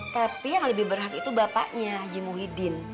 tapi yang lebih berhak itu bapaknya haji muhyiddin